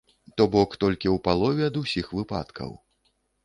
То бок, толькі ў палове ад усіх выпадкаў.